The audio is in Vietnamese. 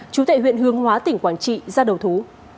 chú tệ huyện hướng hóa tỉnh quảng trị ra đầu thú